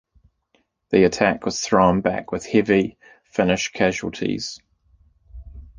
The attack was thrown back with heavy Finnish casualties.